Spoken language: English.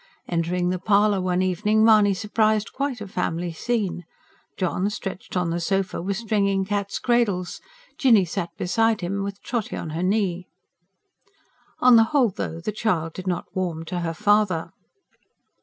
Entering the parlour one evening Mahony surprised quite a family scene: John, stretched on the sofa, was stringing cats' cradles, Jinny sat beside him with Trotty on her knee. On the whole, though, the child did not warm to her father.